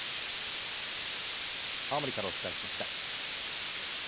青森からお伝えしました。